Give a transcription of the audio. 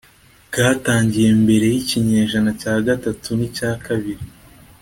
bwatangiye mbere y ikinyejana cya gatatu ni cya kabiri